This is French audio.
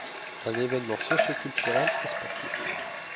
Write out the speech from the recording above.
Un événement socio-culturel et sportif.